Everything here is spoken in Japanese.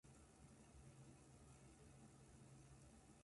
恋愛がうまくいかないと、自分に価値がないように思えてしまう。